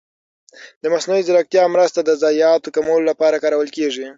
د مصنوعي ځېرکتیا مرسته د ضایعاتو کمولو لپاره کارول کېږي.